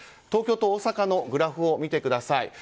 東京と大阪のグラフを見てください。